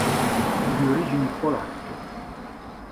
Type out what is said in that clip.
È di origini polacche.